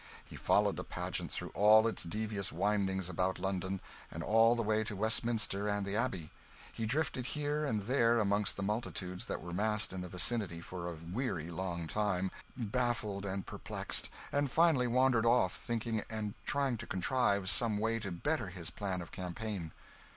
He followed the pageant through all its devious windings about London, and all the way to Westminster and the Abbey. He drifted here and there amongst the multitudes that were massed in the vicinity for a weary long time, baffled and perplexed, and finally wandered off, thinking, and trying to contrive some way to better his plan of campaign.